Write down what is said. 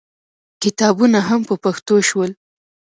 کتابونه هم په پښتو شول.